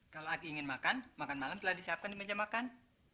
kalau lagi ingin makan makan malam telah disiapkan di meja makan